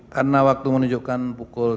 karena waktu menunjukkan pukul